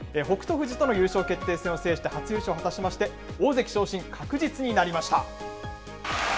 富士との優勝決定戦を制して初優勝を果たしまして、大関昇進、確実になりました。